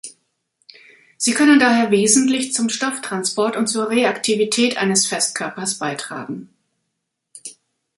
Sie können daher wesentlich zum Stofftransport und zur Reaktivität eines Festkörpers beitragen.